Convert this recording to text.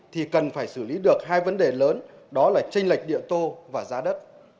thì cần phải xử lý được hai vấn đề lớn đó là tranh lệch địa tô và giá đất